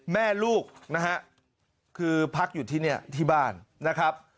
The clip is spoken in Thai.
แม่ลูกนะฮะคือพักอยู่ที่นี่ที่บ้านนะครับ